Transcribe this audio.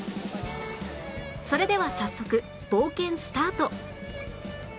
それでは早速冒険スタート！